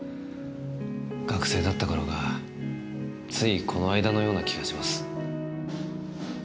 学生だったころがついこの間のような気がします。